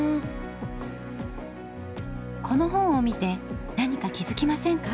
この本を見て何か気づきませんか？